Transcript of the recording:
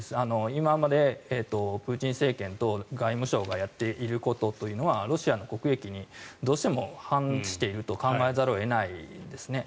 今までプーチン政権と外務省がやっていることというのはロシアの国益にどうしても反していると考えざるを得ないんですね。